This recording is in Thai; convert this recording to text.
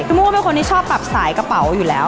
โม่เป็นคนที่ชอบปรับสายกระเป๋าอยู่แล้ว